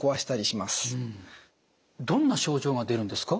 どんな症状が出るんですか？